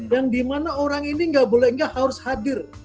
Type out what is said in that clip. yang dimana orang ini nggak boleh nggak harus hadir